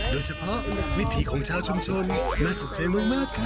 โดยเฉพาะวิธีของชาวชมชนน่าสนใจมากค่ะ